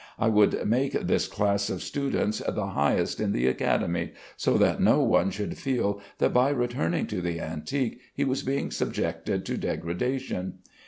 I would make this class of students the highest in the Academy, so that no one should feel that by returning to the antique he was being subjected to degradation.